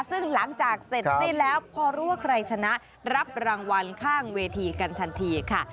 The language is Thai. ซึ่งหลังจากเสร็จสิ้นแล้วพอรู้ว่าใครชนะรับรางวัลข้างเวทีกันทันทีค่ะ